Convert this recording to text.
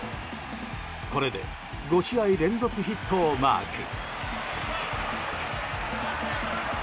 これで５試合連続ヒットをマーク。